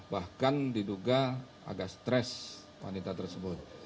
bahkan diduga agak stres wanita tersebut